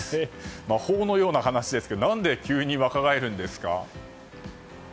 魔法のような話ですけど何で急に若返るんですか？